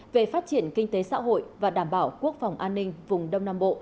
về phát triển kinh tế xã hội và đảm bảo quốc phòng an ninh vùng đông nam bộ